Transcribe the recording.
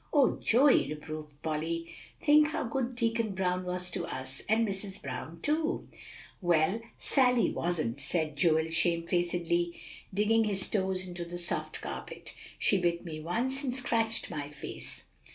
"O Joey!" reproved Polly; "think how good Deacon Brown was to us, and Mrs. Brown too." "Well, Sally wasn't," said Joel shamefacedly, digging his toes into the soft carpet. "She bit me once, and scratched my face."